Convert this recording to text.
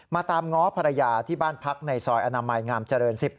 ตามง้อภรรยาที่บ้านพักในซอยอนามัยงามเจริญ๑๐